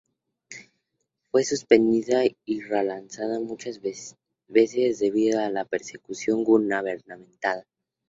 Fue suspendida y relanzada muchas veces, debido a la persecución gubernamental.